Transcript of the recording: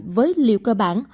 với liều cơ bản